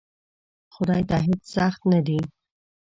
خدای ته هیڅ سخت نه دی!